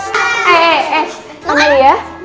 eh eh eh amalia